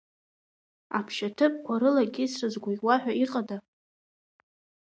Аԥшьаҭыԥқәа рылакьысра згәаӷьуа ҳәа иҟада?